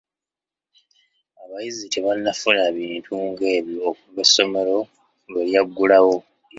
Abayizi tebannafuna bintu ng'ebyo okuva essomero lwe lyaggulwawo.